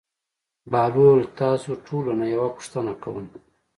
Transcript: بهلول وویل: تاسو ټولو نه یوه پوښتنه کوم.